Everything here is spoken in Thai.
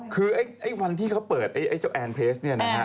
คือไอ้วันที่เขาเปิดไอ้เจ้าแอนเพลสเนี่ยนะฮะ